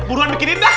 buruan bikinin dah